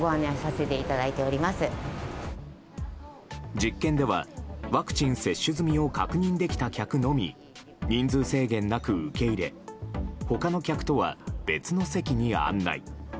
実験ではワクチン接種済みを確認できた客のみ人数制限なく受け入れ他の客とは別の席に案内。